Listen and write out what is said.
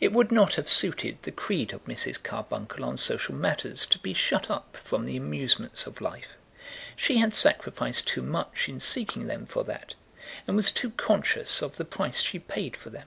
It would not have suited the creed of Mrs. Carbuncle on social matters to be shut up from the amusements of life. She had sacrificed too much in seeking them for that, and was too conscious of the price she paid for them.